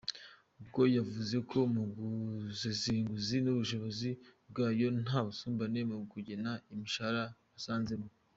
Google yavuze ko mu busesenguzi n’ubushishozi bwayo nta busumbane mu kugena imishahara basanzemo.